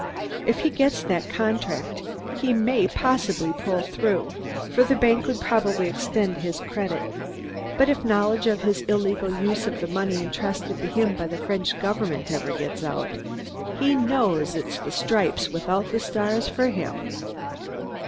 If he gets that contract, he may possibly pull through, for the bank would probably extend his credit, but if knowledge of his illegal use of the money entrusted to him by the French Government ever gets out, he knows it's the stripes without the stars for him."